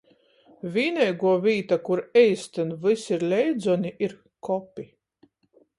Vīneiguo vīta, kur eistyn vysi ir leidzoni, ir kopi.